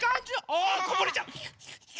あこぼれちゃう。